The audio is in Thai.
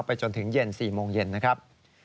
จนถึงเย็น๔โมงเย็นนะครับ